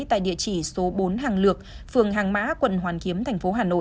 tại địa chỉ số bốn hàng lược phường hàng mã quận hoàn kiếm tp hà nội